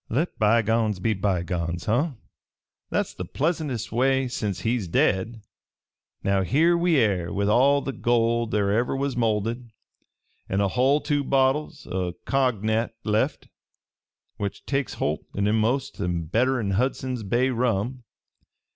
"Let bygones be bygones, huh? That's the pleasantest way, sence he's dead. "Now here we air, with all the gold there ever was molded, an' a hull two bottles o' coggnac left, which takes holt e'enamost better'n Hundson's Bay rum.